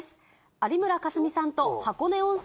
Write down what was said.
有村架純さんと箱根温泉